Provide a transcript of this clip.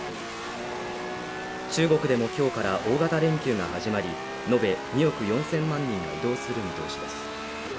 中国でも今日から大型連休が始まり、延べ２億４０００万人が移動する見通しです。